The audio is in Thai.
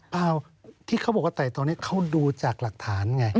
เปล่าที่เขาบอกว่าแต่ตอนนี้เขาดูจากหลักฐานไง